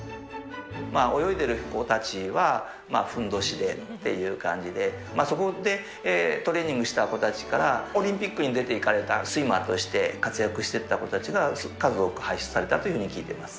泳いでる子たちは、ふんどしでっていう感じで、そこでトレーニングした子たちから、オリンピックに出ていかれたスイマーとして活躍してった子たちが、数多く輩出されたというふうに聞いています。